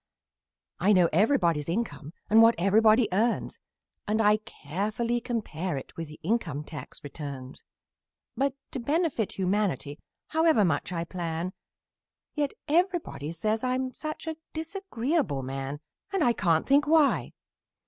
I know everybody's income and what everybody earns, And I carefully compare it with the income tax returns; But to benefit humanity, however much I plan, Yet everybody says I'm such a disagreeable man! And I can't think why!